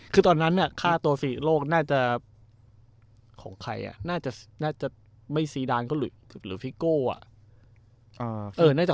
คือตอนนั้นค่าตัว๔โลกน่าจะของใครน่าจะไม่ซีดานก็หรือฟิโก้อ่ะ